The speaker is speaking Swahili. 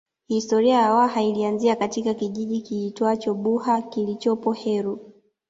Historia ya Waha ilianzia katika kijiji kiitwacho Buha kilichopo Heru